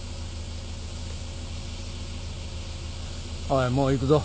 おいもう行くぞ。